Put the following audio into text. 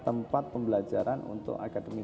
tempat pembelajaran untuk akademi